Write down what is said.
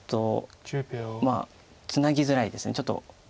ツナぎづらいですちょっと。